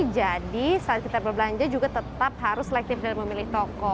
jadi saat kita berbelanja juga tetap harus selektif dalam memilih toko